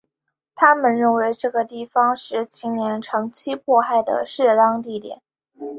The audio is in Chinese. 他们认为这个地方是纪念长期迫害的适当地点。